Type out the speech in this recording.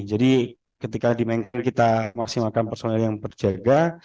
jadi ketika di menkering kita maksimalkan personel yang berjaga